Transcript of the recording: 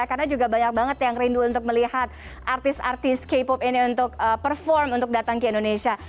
karena juga banyak banget yang rindu untuk melihat artis artis k pop ini untuk perform untuk datang ke indonesia